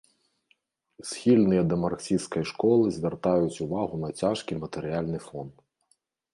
Схільныя да марксісцкай школы звяртаюць увагу на цяжкі матэрыяльны фон.